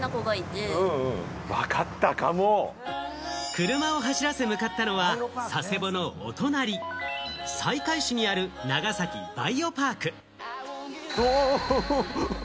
車を走らせ向かったのは、佐世保のお隣、西海市にある長崎バイオパーク。